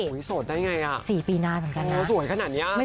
โหยโสดได้ไง